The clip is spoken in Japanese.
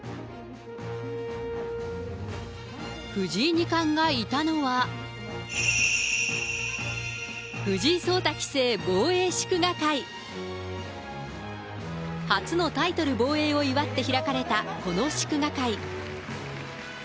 藤井二冠がいたのは、初のタイトル防衛を祝って開かれたこの祝賀会。